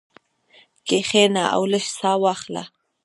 کښېنه او لږه ساه واخله.